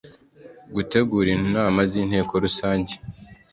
gutegura inama z inteko rusange